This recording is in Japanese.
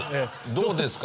「どうですか？」。